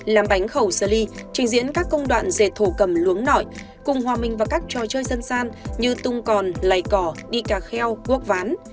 làm bánh khẩu xơ ly trình diễn các công đoạn dệt thổ cầm luống nỏi cùng hòa minh vào các trò chơi dân san như tung còn lấy cỏ đi cà kheo quốc ván